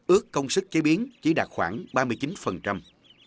ước công sức chế biến chỉ đạt một triệu đồng